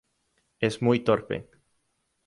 Es muy torpe.